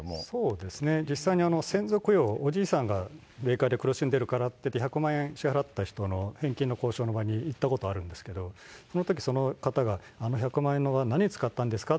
実際に先祖供養、おじいさんが霊界で苦しんでるからって言って、１００万円支払った人の返金の交渉の場に行ったことがあるんですけれども、そのときその方が１００万円何に使ったんですか？